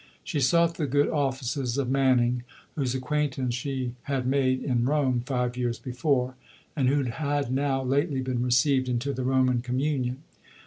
She sought the good offices of Manning, whose acquaintance she had made in Rome five years before, and who had now lately been received into the Roman Communion.